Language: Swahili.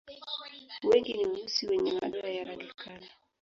Wengi ni weusi wenye madoa ya rangi kali.